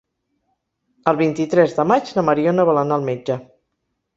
El vint-i-tres de maig na Mariona vol anar al metge.